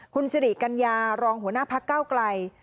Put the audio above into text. คุณสิริกัญญารองหัวหน้าพักเก้าไกล